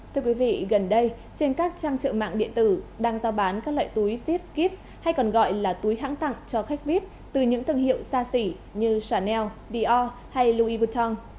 thưa quý vị gần đây trên các trang trợ mạng điện tử đang giao bán các loại túi vip gift hay còn gọi là túi hãng tặng cho khách vip từ những thương hiệu xa xỉ như chanel dior hay louis vuitton